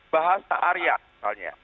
bahasa arya soalnya